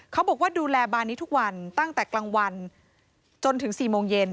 เขาบอกว่าดูแลบานนี้ทุกวันตั้งแต่กลางวันจนถึง๔โมงเย็น